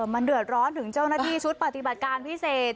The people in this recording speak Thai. มันเดือดร้อนถึงเจ้าหน้าที่ชุดปฏิบัติการพิเศษ